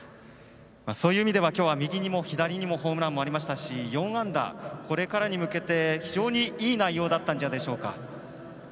そういう意味ではきょうは右にも左にもホームランありましたし４安打、これからに向けて非常にいい内容だったんじゃ